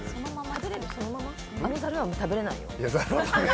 あのざるは食べられないよ。